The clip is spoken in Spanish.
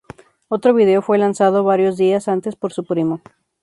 Otro vídeo fue lanzado varios días antes por su primo.